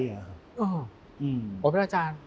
โอ้ยเพื่อนอาจารย์